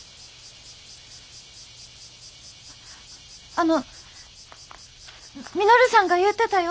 あの稔さんが言うてたよ。